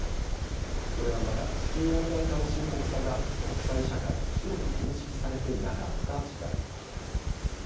これはまだ地球温暖化の深刻さが国際社会に広く認識されていなかった時代のことです。